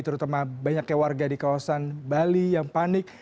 terutama banyaknya warga di kawasan bali yang panik